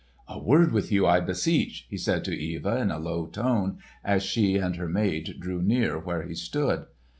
"A word with you, I beseech," he said to Eva in a low tone as she and her maid drew near where he stood.